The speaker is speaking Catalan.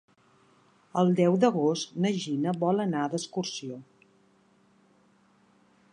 El deu d'agost na Gina vol anar d'excursió.